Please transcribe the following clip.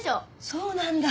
そうなんだ！